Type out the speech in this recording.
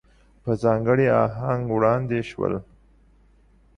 په ځانګړي آهنګ وړاندې شول.